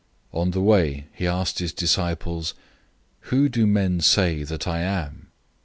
On the way he asked his disciples, "Who do men say that I am?"